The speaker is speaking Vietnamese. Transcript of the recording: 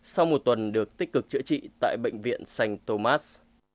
sau một tuần được tích cực chữa trị tại bệnh viện st thomas